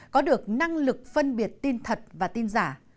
có được năng lực phân biệt tin thật và tin giả